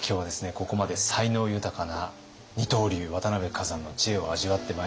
ここまで才能豊かな二刀流渡辺崋山の知恵を味わってまいりました。